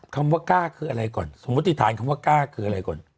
คำว่ากล้าคืออะไรก่อนสมมุติฐานคำว่ากล้าคืออะไรก่อน